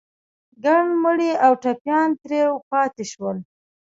ګڼ مړي او ټپيان ترې پاتې شول.